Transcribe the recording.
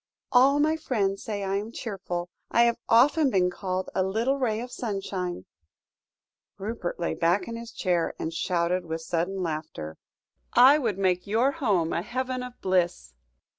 "'All my friends say I am cheerful. I have often been called a little ray of sunshine'" Rupert lay back in his chair, and shouted with sudden laughter. "'I would make your home a heaven of bliss.'"